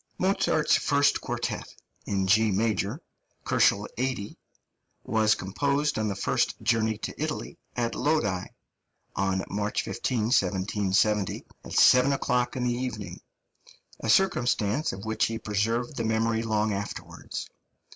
Mozart's first quartet, in G major (80 K.), was composed on the first journey to Italy, at Lodi, on March 15, 1770, at seven o'clock in the evening a circumstance of which he preserved the memory long afterwards.